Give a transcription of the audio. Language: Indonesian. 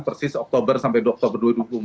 persis oktober sampai oktober dua ribu dua puluh empat